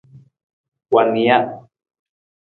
Wa nija.